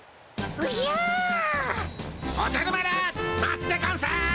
おじゃる丸待つでゴンス！